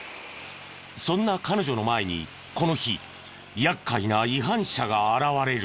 そんな彼女の前にこの日厄介な違反者が現れる。